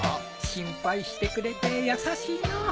心配してくれて優しいのう。